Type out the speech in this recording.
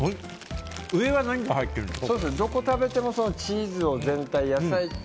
上は何が入ってるんですか？